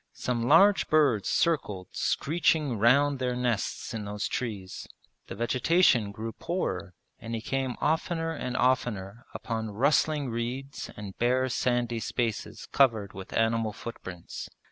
Some large birds circled screeching round their nests in those trees. The vegetation grew poorer and he came oftener and oftener upon rustling reeds and bare sandy spaces covered with animal footprints.